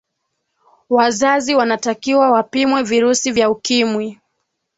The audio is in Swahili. wazazi wanatakiwa wapimwe virusi vya ukimwi